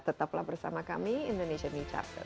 tetaplah bersama kami indonesian new charter